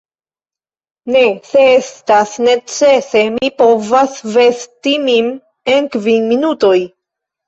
Ne; se estas necese, mi povas vesti min en kvin minutoj.